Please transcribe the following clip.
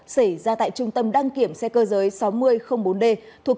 xảy ra tại trung tâm đăng kiểm xe cơ giới sáu nghìn bốn d thuộc công an tp thanh hóa